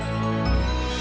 tapi akuatellis bilang macam